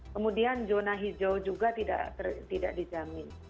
kemudian zona hijau juga tidak dijamin